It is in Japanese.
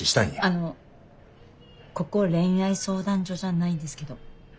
あのここ恋愛相談所じゃないんですけど。